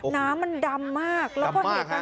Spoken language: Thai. น้ำมันดำมากแล้วคุณผู้ชมดูน้ำมาก